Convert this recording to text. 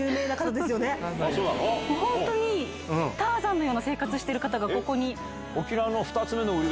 本当にターザンのような生活してる方がここに。